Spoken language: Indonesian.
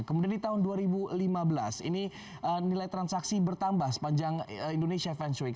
kemudian di tahun dua ribu lima belas ini nilai transaksi bertambah sepanjang indonesia fashion